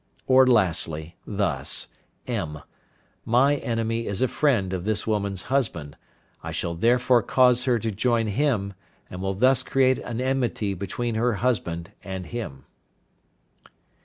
Or, lastly, thus: (m). My enemy is a friend of this woman's husband, I shall therefore cause her to join him, and will thus create an enmity between her husband and him.